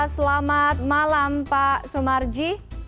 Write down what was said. selamat malam pak sumarji